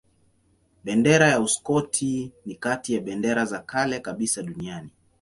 Bendera ya Uskoti ni kati ya bendera za kale kabisa duniani.